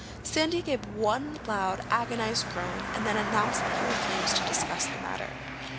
Sandy gave one loud agonized groan and then announced that he refused to discuss the matter.